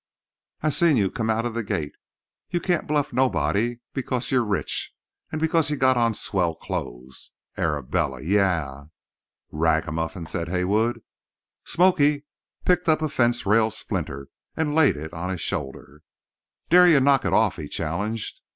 I seen you come out of the gate. You can't bluff nobody because you're rich. And because you got on swell clothes. Arabella! Yah!" "Ragamuffin!" said Haywood. "Smoky" picked up a fence rail splinter and laid it on his shoulder. "Dare you to knock it off," he challenged.